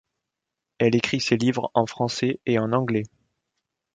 Elle écrit ses livres en français et en anglais.